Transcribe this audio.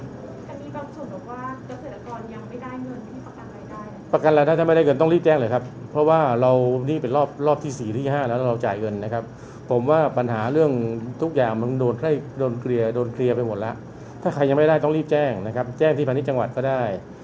อันนี้บางส่วนหรือว่าเกษตรกรยังไม่ได้เงินไม่ได้ประกันอะไรได้ประกันอะไรถ้าไม่ได้เงินต้องรีบแจ้งเลยครับเพราะว่าเรานี่เป็นรอบรอบที่สี่ที่ห้าแล้วเราจ่ายเงินนะครับผมว่าปัญหาเรื่องทุกอย่างมันโดนให้โดนเคลียร์โดนเคลียร์ไปหมดแล้วถ้าใครยังไม่ได้ต้องรีบแจ้งนะครับแจ้งที่พันธุ์จังหวัดก็ได